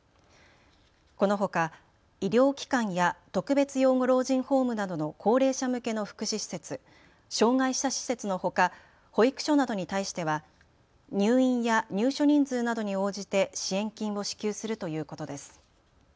このほか医療機関や特別養護老人ホームなどの高齢者向けの福祉施設、障害者施設のほか、保育所などに対しては入院や入所人数などに応じて支援金を支給するということです。